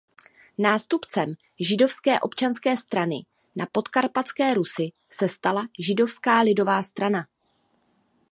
Nástupcem Židovské občanské strany na Podkarpatské Rusi se stala Židovská lidová strana.